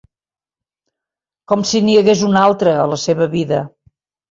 Com si n'hi hagués un altre, a la seva vida!